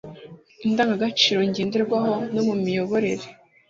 indangagaciro ngenderwaho no mu miyoborere.